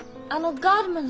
ガードマン？